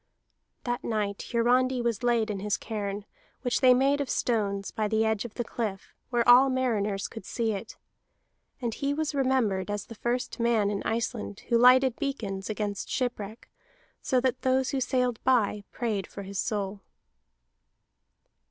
That night Hiarandi was laid in his cairn, which they made of stones, by the edge of the cliff where all mariners could see it. And he was remembered as the first man in Iceland who lighted beacons against shipwreck, so that those who sailed by prayed for his soul.